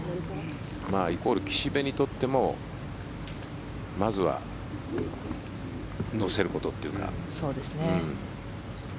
イコール岸部にとってもまずは乗せることというか。